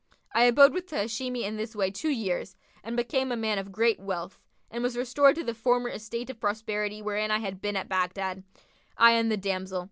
[FN#53] I abode with the Hashimi in this way two years and became a man of great wealth and was restored to the former estate of prosperity wherein I had been at Baghdad, I and the damsel.